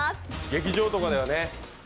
劇場とかではね。